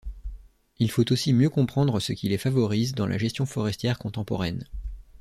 Il faut aussi mieux comprendre ce qui les favorise dans la gestion forestière contemporaine.